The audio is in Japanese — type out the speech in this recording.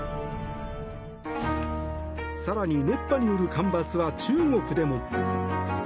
更に、熱波による干ばつは中国でも。